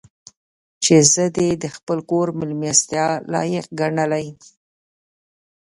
چې زه دې د خپل کور مېلمستیا لایق ګڼلی.